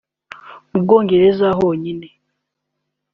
Mu Bwongereza honyine